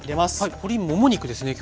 鶏もも肉ですね今日は。